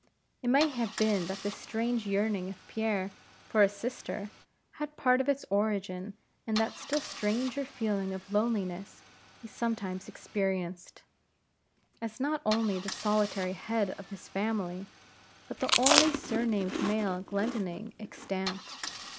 It may have been that this strange yearning of Pierre for a sister, had part of its origin in that still stranger feeling of loneliness he sometimes experienced, as not only the solitary head of his family, but the only surnamed male Glendinning extant.